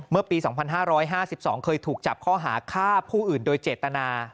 เมื่อปี๒๕๕๒เคยถูกจับข้อหาฆ่าผู้อื่นโดยเจตนา